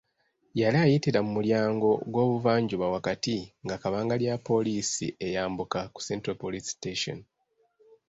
Yali ayitira mu mulyango gw’obuvanjuba wakati nga kabangali ya poliisi eyambuka ku Central Police Station.